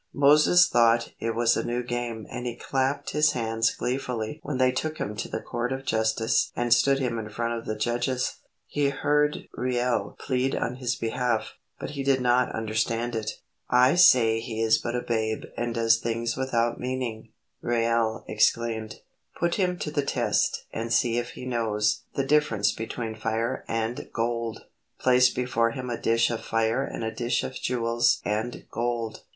Moses thought it was a new game and he clapped his hands gleefully when they took him to the court of justice and stood him in front of the judges. He heard Reuel plead on his behalf, but he did not understand it. "I say he is but a babe and does things without meaning," Reuel exclaimed. "Put him to the test, and see if he knows the difference between fire and gold. Place before him a dish of fire and a dish of jewels and gold.